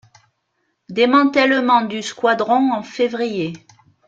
Démantèlement du squadron en février.